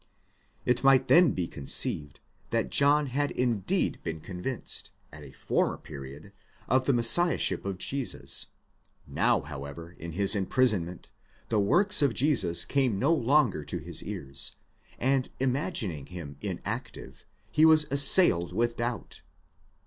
It might then be conceived, that John had indeed been convinced, at a former period, of the Messiahship of Jesus ; now, however, in his imprisonment, the works of Jesus came no longer to his ears, and imagining him inactive, he was assailed with doubt.